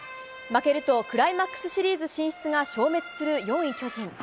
負けると、クライマックスシリーズ進出が消滅する４位巨人。